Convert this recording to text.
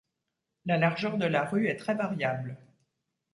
La largeur de la rue est très variable.